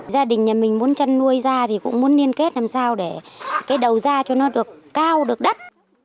gia đình nhà mình muốn chăn nuôi ra thì cũng muốn liên kết làm sao để cái đầu ra cho nó được cao được đất